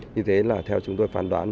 như thế là theo chúng tôi phán đoán